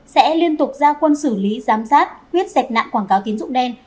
sẽ liên tục ra quân xử lý giám sát quyết sạch nạn quảng cáo tín dụng đen